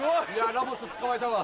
ラモス捕まえたわ。